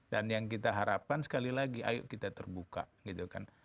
dan yang kita harapkan sekali lagi ayo kita terbuka gitu kan